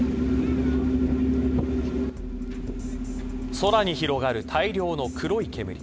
空に広がる大量の黒い煙。